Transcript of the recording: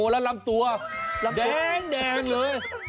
อ๋อแล้วรับตัวแดงแดงเลย